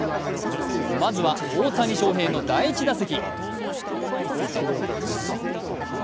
まずは、大谷翔平の第１打席。